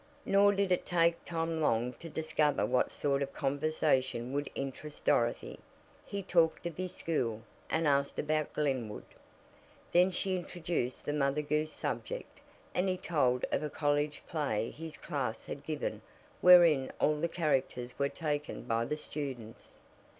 Nor did it take Tom long to discover what sort of conversation would interest Dorothy. He talked of his school, and asked about Glenwood. Then she introduced the Mother Goose subject, and he told of a college play his class had given wherein all the characters were taken by the students.